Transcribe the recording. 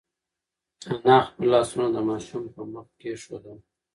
انا خپل لاسونه د ماشوم په مخ کېښودل.